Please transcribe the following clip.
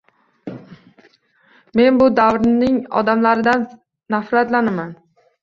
Men bu davrning odamlaridan nafratlanaman.